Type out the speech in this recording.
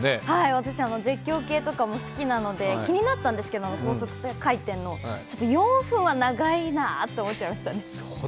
私、絶叫系とかも好きなので気になったんですけど高速回転の、ちょっと４分は長いなと思っちゃいましたね。